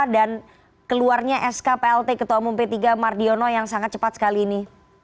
dan keluarnya sk plt ketua umum p tiga mardiono yang sangat cepat sekali ini